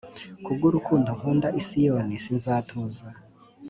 ku bw urukundo nkunda i siyoni sinzatuza